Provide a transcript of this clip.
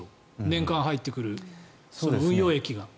年間入ってくる運用益が。